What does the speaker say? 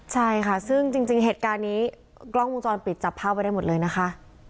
ใช่ค่ะซึ่งจริงเหตุการณ์นี้กล้องวงจรปิดจับภาพไว้ได้หมดเลยนะคะ